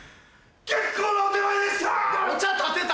結構なお点前でした！